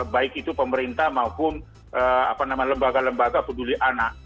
baik itu pemerintah maupun lembaga lembaga peduli anak